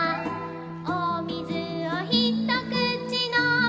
「おみずをひとくちのみました」